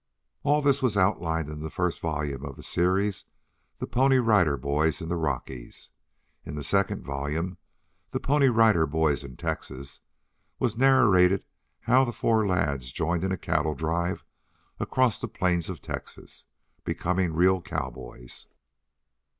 All this was outlined in the first volume of the series, "THE PONY RIDER BOYS IN THE ROCKIES." In the second volume, "THE PONY RIDER BOYS IN TEXAS," was narrated how the four lads joined in a cattle drive across the plains of Texas, becoming real cowboys.